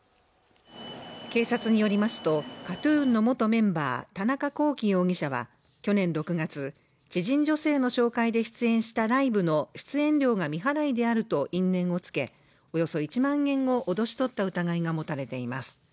警察によりますとＫＡＴ−ＴＵＮの元メンバー田中聖容疑者は去年６月知人女性の紹介で出演したライブの出演料が未払いであると因縁をつけおよそ１万円を脅し取った疑いが持たれています